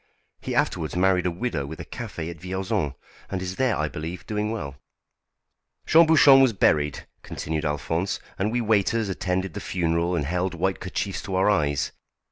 He afterwards married a widow with a café at Vierzon, and is there, I believe, doing well. "Jean Bouchon was buried," continued Alphonse; "and we waiters attended the funeral and held white kerchiefs to our eyes.